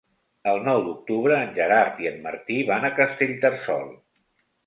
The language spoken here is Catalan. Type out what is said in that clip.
El nou d'octubre en Gerard i en Martí van a Castellterçol.